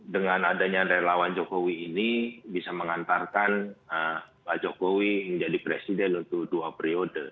dengan adanya relawan jokowi ini bisa mengantarkan pak jokowi menjadi presiden untuk dua periode